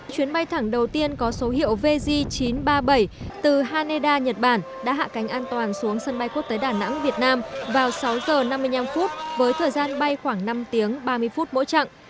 chuyến bay thẳng đầu tiên có số hiệu vz chín trăm ba mươi bảy từ haneda nhật bản đã hạ cánh an toàn xuống sân bay quốc tế đà nẵng việt nam vào sáu giờ năm mươi năm phút với thời gian bay khoảng năm tiếng ba mươi phút mỗi chặng